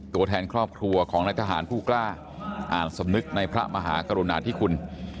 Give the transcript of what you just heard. ตัวแทนครอบครัวของนายทหารผู้กล้าอ่านสำนึกในพระมหากรุณาธิคุณ